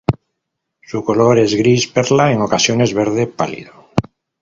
Su color es gris perla, en ocasiones verde pálido.